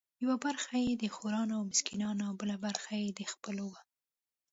یوه برخه یې د خورانو او مسکینانو او بله برخه د خپلو وه.